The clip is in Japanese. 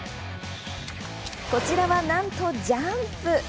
こちらは、なんとジャンプ。